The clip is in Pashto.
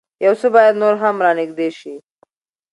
يو څه بايد نور هم را نېږدې شي.